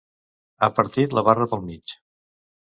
Ha partit la barra pel mig.